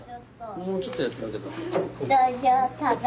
もうちょっとやってあげた方が。